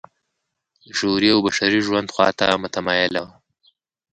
د شعوري او بشري ژوند خوا ته متمایله وه.